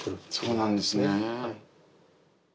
そうなんですね。